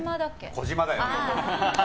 児嶋だよ！